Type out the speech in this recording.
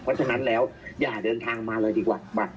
เพราะฉะนั้นแล้วอย่าเดินทางมาเลยดีกว่า